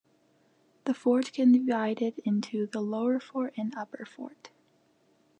The fort can be divided into the lower fort and upper fort.